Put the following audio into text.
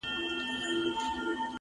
هره بریا د نظم نښه لري,